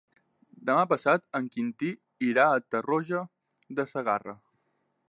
Demà passat en Quintí irà a Tarroja de Segarra.